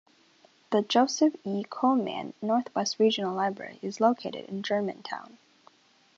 The Joseph E. Coleman Northwest Regional Library is located in Germantown.